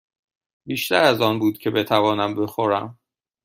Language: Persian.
بیشتر از آن بود که بتوانم بخورم.